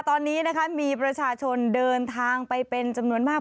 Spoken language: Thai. ตอนนี้นะคะมีประชาชนเดินทางไปเป็นจำนวนมาก